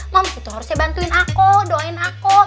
moms itu harusnya bantuin aku doain aku